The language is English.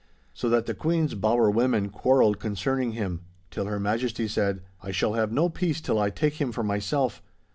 So that the Queen's bower women quarrelled concerning him, till Her Majesty said, 'I shall have no peace till I take him for myself.